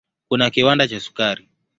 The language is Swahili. Kuna kiwanda cha sukari.